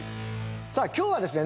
さあ今日はですね